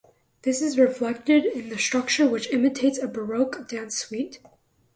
This is reflected in the structure which imitates a Baroque dance suite.